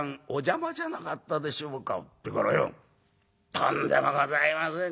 『とんでもございません。